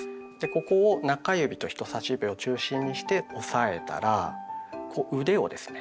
ここを中指と人さし指を中心にして押さえたらこう腕をですね